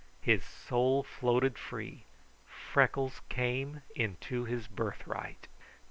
His soul floated free. Freckles came into his birthright.